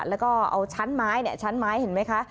แล้วก็เอาชั้นไม้ชั้นไม้เห็นไหมคะ